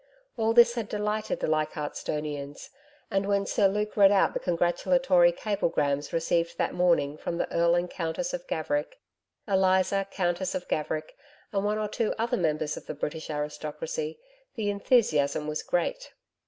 All this had delighted the Leichardstonians, and when Sir Luke read out the congratulatory cablegrams received that morning from the Earl and Countess of Gaverick, Eliza, Countess of Gaverick, and one or two other members of the British aristocracy, the enthusiasm was great.